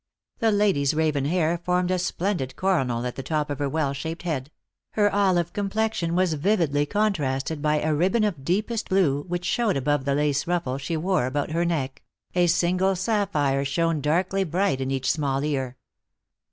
The lady's raven hair formed a splendid coronal at the top of her well shaped head ; her olive complexion was vividly contrasted by a ribbon of deepest blue, which showed above the lace ruffle she wore about her neck ; a single sapphire shone darkly bright in each small ear.